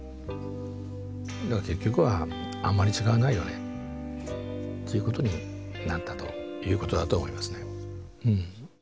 だから結局はあんまり違わないよねっていうことになったということだと思いますね。